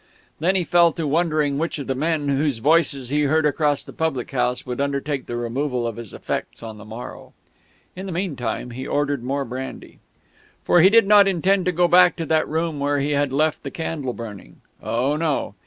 Then he fell to wondering which of the men whose voices he heard across the public house would undertake the removal of his effects on the morrow. In the meantime he ordered more brandy. For he did not intend to go back to that room where he had left the candle burning. Oh no!